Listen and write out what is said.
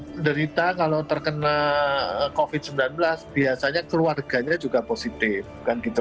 penderita kalau terkena covid sembilan belas biasanya keluarganya juga positif